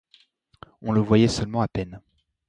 On le voyait seulement à peine.